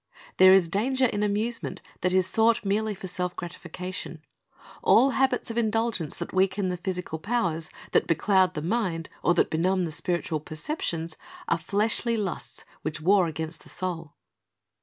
There is danger in amuse ment that is sought merely for self gratification. All habits of indulgence that weaken the physical powers, that becloud the mind, or that benumb the spiritual perceptions, are "fleshly lusts, which war against the soul."'